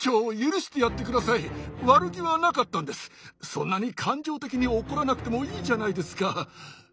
そんなに感情的に怒らなくてもいいじゃないですか。